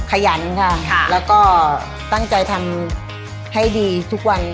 ขยันค่ะแล้วก็ตั้งใจทำให้ดีทุกวัน